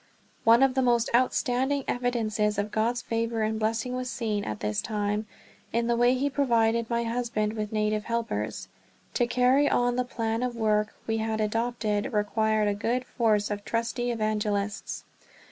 One of the most outstanding evidences of God's favor and blessing was seen, at this time, in the way he provided my husband with native helpers. To carry on the plan of work we had adopted required a good force of trusty evangelists.